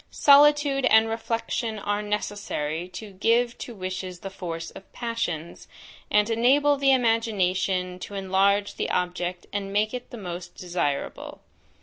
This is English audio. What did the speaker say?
Solitude and reflection are necessary to give to wishes the force of passions, and enable the imagination to enlarge the object and make it the most desirable.